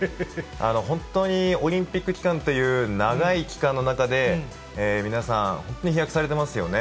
本当にオリンピック期間という長い期間の中で、皆さん、本当に飛躍されてますよね。